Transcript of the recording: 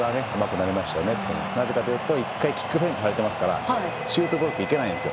なぜかというと１回、キックフェイントをされてますからシュートゴールに行けないんですよ。